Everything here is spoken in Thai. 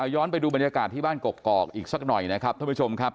ย้อนไปดูบรรยากาศที่บ้านกกอกอีกสักหน่อยนะครับท่านผู้ชมครับ